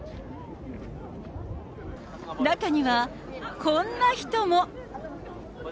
中には、こんな人も。